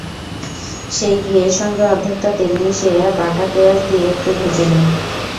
সেই ঘিয়ের সঙ্গে অর্ধেকটা তেল মিশিয়ে বাটা পেঁয়াজ দিয়ে একটু ভেজে নিন।